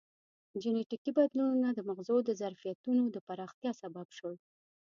جینټیکي بدلونونه د مغزو د ظرفیتونو د پراختیا سبب شول.